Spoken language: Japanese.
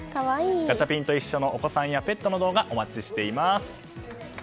ガチャピンといっしょ！のお子さんやペットの動画お待ちしています。